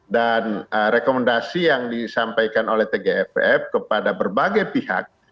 dan rekomendasi yang disampaikan oleh tgipf kepada berbagai pihak